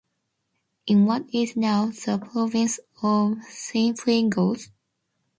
In what is now the Province of Cienfuegos.